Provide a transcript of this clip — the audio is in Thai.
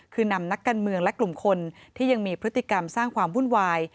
คือนำนักการเมืองและกลุ่มคนที่ยังมีพฤติกรรมสร้างความวุ่นวาย